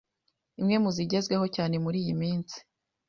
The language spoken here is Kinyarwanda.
imwe muzigezweho cyane muri iyi minsi